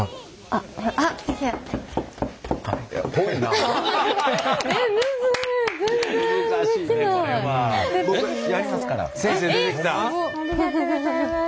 ありがとうございます。